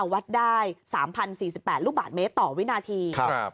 อวัดได้สามพันสี่สิบแปดลูกบาทเมตรต่อวินาทีครับ